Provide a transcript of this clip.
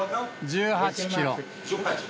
１８キロ？